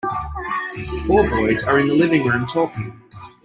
Four boys are in the living room talking.